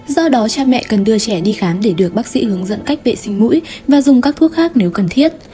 do đó cha mẹ cần đưa trẻ đi khám để được bác sĩ hướng dẫn cách vệ sinh mũi và dùng các thuốc khác nếu cần thiết